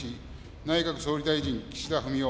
内閣総理大臣岸田文雄